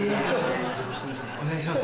よろしくお願いします。